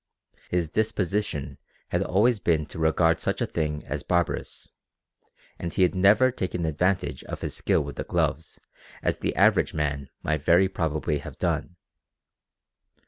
His disposition had always been to regard such a thing as barbarous, and he had never taken advantage of his skill with the gloves as the average man might very probably have done.